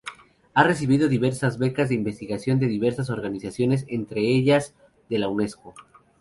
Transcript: Ha recibido diversas becas de investigación de diversas organizaciones entre ellas de la Unesco.